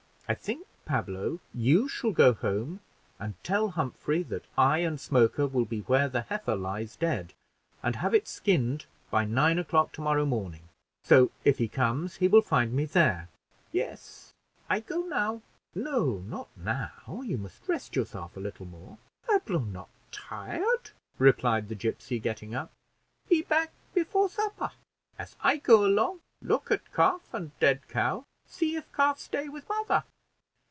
I think, Pablo, you shall go home, and tell Humphrey that I and Smoker will be where the heifer lies dead, and have it skinned by nine o'clock tomorrow morning; so, if he comes, he will find me there." "Yes, I go now." "No, not now; you must rest yourself a little more." "Pablo not tired," replied the gipsy, getting up; "be back before supper. As I go along, look at calf and dead cow see if calf stay with mother."